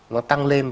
nó tăng lên